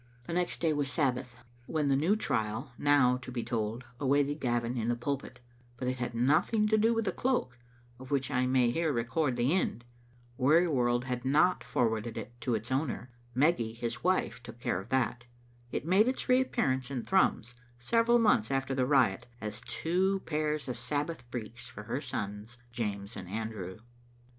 The next day was Sabbath, when a new trial, now to be told, awaited Gavin in the pulpit; but it had nothing to do with the cloak, of which I may here record the end. Wearyworld had not forwarded it to its owner; Meggy, his wife, took care of that. It made its reappear ance in Thrums, several months after the riot, as two pairs of Sabbath breeks for her sons, James and Andrew.